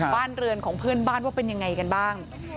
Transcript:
บ้านเรือนของเพื่อนบ้านว่าเป็นยังไงกันบ้าง